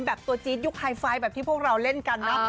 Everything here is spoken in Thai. แบบตัวจี๊ดยุคไฮไฟแบบที่พวกเราเล่นกันเนอะ